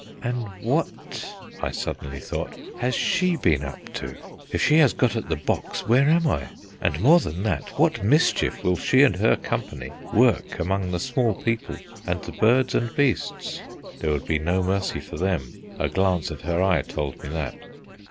"And what," I suddenly thought, "has she been up to? If she has got at the box, where am I? and more than that, what mischief will she and her company work among the small people and the birds and beasts?" There would be no mercy for them; a glance at her eye told me that.